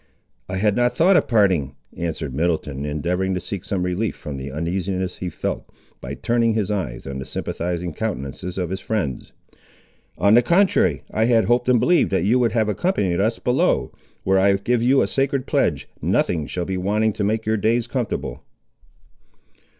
"I had not thought of parting," answered Middleton, endeavouring to seek some relief from the uneasiness he felt, by turning his eyes on the sympathising countenances of his friends; "on the contrary, I had hoped and believed that you would have accompanied us below, where I give you a sacred pledge, nothing shall be wanting to make your days comfortable."